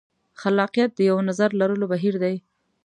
خلاقیت د یوه نظر لرلو بهیر دی.